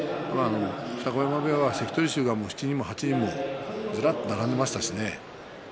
二子山部屋は関取衆が７人も８人もずらっと並んでいましたしね